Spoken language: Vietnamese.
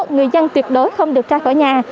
người dân tuyệt đối không được ra khỏi nhà